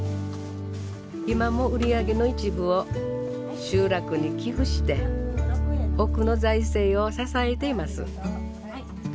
今も売り上げの一部を集落に寄付して奥の財政を支えています。